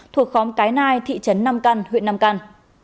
thị trấn nam căn huyện nam căn